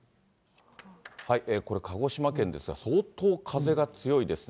これ、鹿児島県ですが、相当風が強いですね。